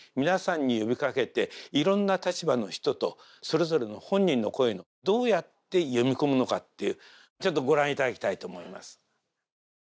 皆さんに呼びかけていろんな立場の人とそれぞれの本人の声のどうやって読み込むのかっていうちょっとご覧いただきたいと思います。